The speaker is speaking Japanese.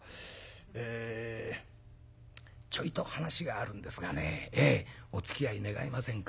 ええちょいと話があるんですがねおつきあい願えませんか？